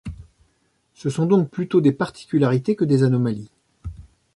Ce sont donc plutôt des particularités que des anomalies.